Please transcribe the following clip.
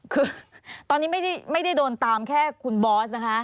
คือตอนนี้ไม่ได้โดนตามแค่คุณบอสนะคะ